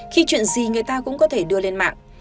khi chuyện gì người ta cũng có thể đưa lên mạng